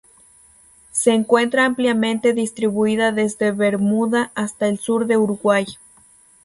Se encuentra ampliamente distribuida desde Bermuda hasta el sur de Uruguay.